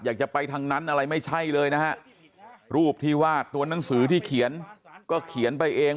อยากจะไปทางนั้นอะไรไม่ใช่เลยนะฮะรูปที่วาดตัวหนังสือที่เขียนก็เขียนไปเอง